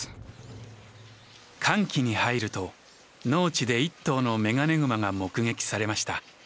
乾季に入ると農地で一頭のメガネグマが目撃されました。